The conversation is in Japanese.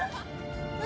何？